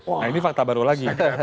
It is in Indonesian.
nah ini fakta baru lagi